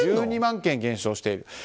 １２万件減少している。